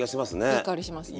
いい香りしますね。